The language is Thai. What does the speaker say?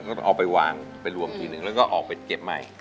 ก็เอาไปวางไปรวมทีนึงแล้วก็ออกไปเก็บใหม่